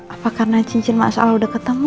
apa karena cincin mbak salah udah ketemu